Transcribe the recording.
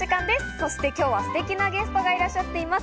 そして今日はすてきなゲストがいらっしゃっています。